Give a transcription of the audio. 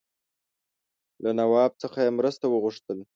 له نواب څخه یې مرسته وغوښتل.